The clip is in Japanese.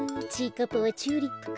かっぱはチューリップか。